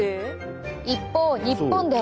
一方日本では。